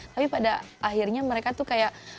tapi pada akhirnya mereka tuh kayak